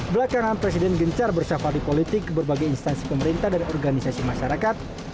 belakangan presiden gencar bersyafali politik ke berbagai instansi pemerintah dan organisasi masyarakat